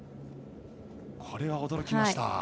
これは驚きました。